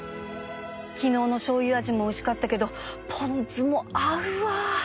昨日のしょうゆ味もおいしかったけどポン酢も合うわ